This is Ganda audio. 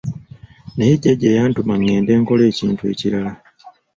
Naye jjajja yantuma ngende nkole ekintu ekirala.